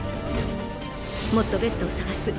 もっとベッドを探す。